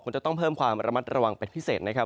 จะต้องเพิ่มความระมัดระวังเป็นพิเศษนะครับ